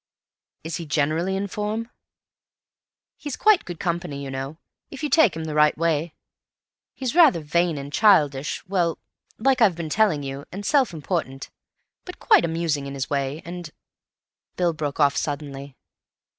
"Is he generally in form?" "He's quite good company, you know, if you take him the right way. He's rather vain and childish—well, like I've been telling you—and self important; but quite amusing in his way, and——" Bill broke off suddenly.